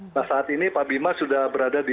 nah saat ini pak bima sudah berada di